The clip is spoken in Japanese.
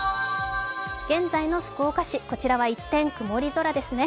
現在の福岡市、こちらは一転、曇り空ですね。